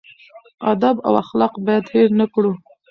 ادب او اخلاق باید هېر نه کړو.